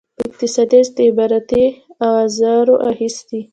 په اقتصادي او استخباراتي اوزارو اخیستي.